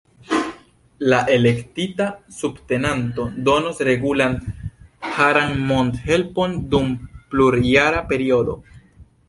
La elektita subtenanto donos regulan jaran mon-helpon dum plur-jara periodo.